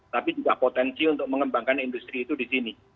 tapi juga potensi untuk mengembangkan industri itu di sini